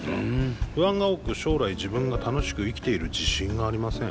不安が多く将来自分が楽しく生きている自信がありません。